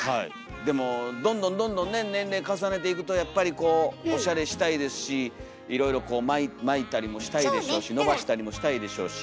でもどんどんどんどんね年齢重ねていくとやっぱりこうおしゃれしたいですしいろいろこう巻いたりもしたいでしょうし伸ばしたりもしたいでしょうし。